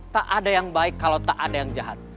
tak ada yang baik kalau tak ada yang jahat